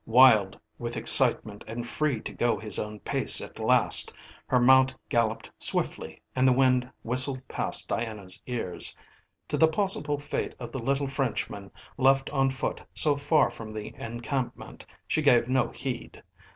Wild with excitement and free to go his own pace at last her mount galloped swiftly and the wind whistled past Diana's ears. To the possible fate of the little Frenchman left on foot so far from the encampment she gave no heed.